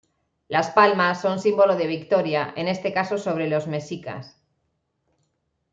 Las palmas son símbolo de victoria, en este caso sobre los mexicas.